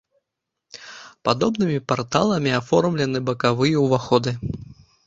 Падобнымі парталамі аформлены бакавыя ўваходы.